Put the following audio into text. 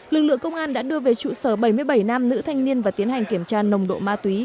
lực lượng công an đã đưa về trụ sở bảy mươi bảy nam nữ thanh niên và tiến hành kiểm tra nồng độ ma túy